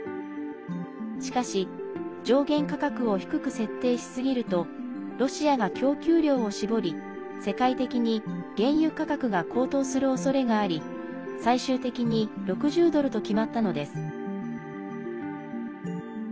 しかし、上限価格を低く設定しすぎるとロシアが供給量を絞り、世界的に原油価格が高騰するおそれがあり最終的に６０ドルと決まったのです。